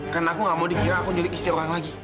karena aku nggak mau dikira aku nyurik istri orang lagi